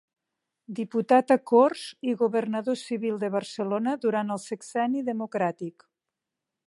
Diputat a Corts i governador civil de Barcelona durant el sexenni democràtic.